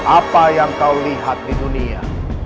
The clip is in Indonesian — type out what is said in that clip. apa yang kau lihat di dunia